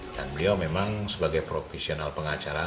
dan beliau memang sebagai profesional pengacara